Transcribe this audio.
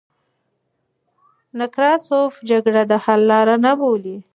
نکراسوف جګړه د حل لار نه بولي.